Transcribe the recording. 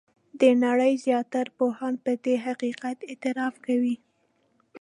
د نړۍ زیاتره پوهان په دغه حقیقت اعتراف کوي.